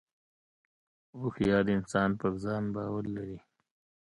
• هوښیار انسان پر ځان باور لري.